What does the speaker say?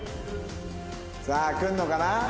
さあ来るのかな？